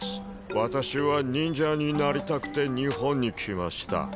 私は忍者になりたくて日本に来ました